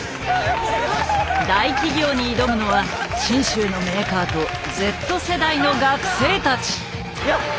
大企業に挑むのは信州のメーカーとＺ世代の学生たち。